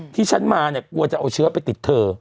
ที่ฉันมาเนี่ยกลัวจะเอาเชื้อไปติดเธอ